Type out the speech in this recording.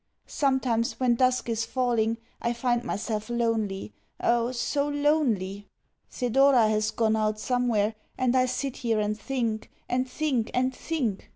Sometimes, when dusk is falling, I find myself lonely oh, so lonely! Thedora has gone out somewhere, and I sit here and think, and think, and think.